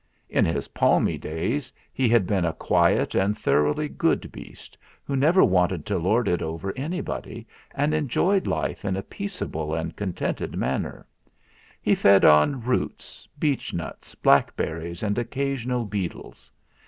In his palmy days he had been a quiet and thoroughly good beast, who never wanted to lord it over anybody, MR. MELES 267 and enjoyed life in a peaceable and contented manner. He fed on roots, beechnuts, black berries, and occasional beetles.